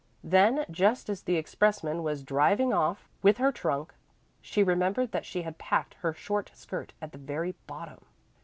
Then just as the expressman was driving off with her trunk, she remembered that she had packed her short skirt at the very bottom.